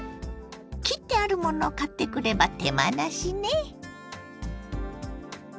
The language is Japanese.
切ってあるものを買ってくれば手間なしね。